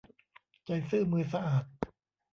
ใจซื่อมือสะอาด